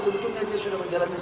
sebetulnya dia sudah menjalani